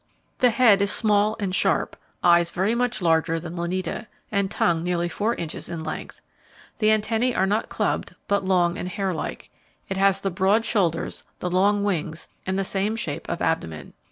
The head is small and sharp, eyes very much larger than Lineata, and tongue nearly four inches in length. The antennae are not clubbed, but long and hairlike. It has the broad shoulders, the long wings, and the same shape of abdomen.